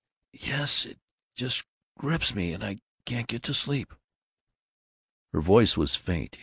"Yes, it just gripes me, and I can't get to sleep." Her voice was faint.